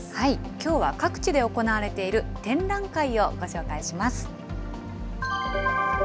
きょうは各地で行われている展覧会をご紹介します。